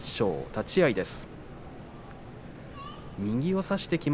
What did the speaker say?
立ち合いです。